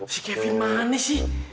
si kevin mana sih